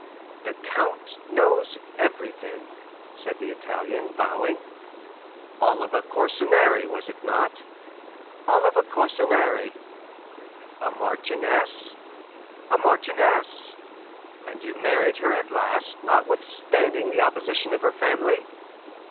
"The count knows everything," said the Italian, bowing. "Oliva Corsinari, was it not?" "Oliva Corsinari!" "A marchioness?" "A marchioness!" "And you married her at last, notwithstanding the opposition of her family?"